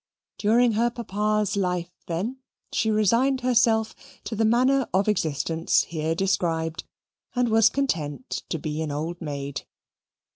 During her papa's life, then, she resigned herself to the manner of existence here described, and was content to be an old maid.